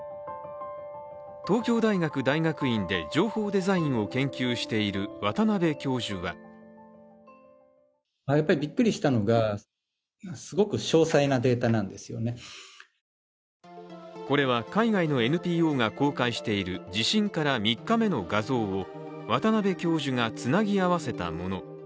東京大学大学院で情報デザインを研究している渡邉教授はこれは海外のＮＰＯが公開している地震から３日目の画像を渡邉教授がつなぎ合わせたもの。